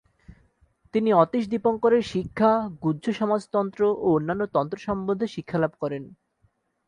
তিনি অতীশ দীপঙ্করের শিক্ষা, গুহ্যসমাজতন্ত্র ও অন্যান্য তন্ত্র সম্বন্ধে শিক্ষালাভ করেন।